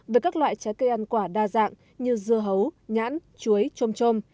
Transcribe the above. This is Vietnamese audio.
với các loại trái cây ăn quả đa dạng như dưa hấu nhãn chuối chôm chôm